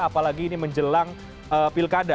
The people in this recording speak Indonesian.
apalagi ini menjelang pilkada